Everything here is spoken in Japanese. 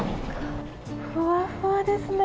ふわふわですね。